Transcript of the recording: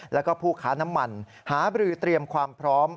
แล้วก็ผู้ค้าน้ำมันหาบรือเตรียมความพร้อม